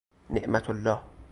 نعمت الله